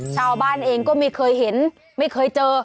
ชาวบ้านเองก็ไม่เคยเห็นไม่เคยเจอ